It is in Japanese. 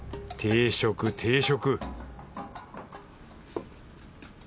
定食定食